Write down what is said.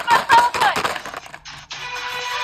که هر څو مره ذخیره کړې دینارونه سره مهرونه